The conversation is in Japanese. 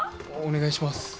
お願いします。